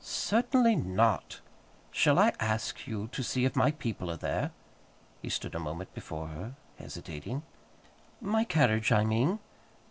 "Certainly not. Shall I ask you to see if my people are there?" He stood a moment before her hesitating. "My carriage, I mean."